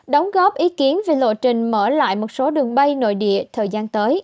đóng góp ý kiến về lộ trình mở lại một số đường bay nội địa thời gian tới